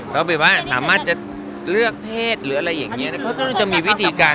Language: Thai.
เขาแบบว่าสามารถจะเลือกเพศหรืออะไรอย่างนี้เขาก็จะมีวิธีการ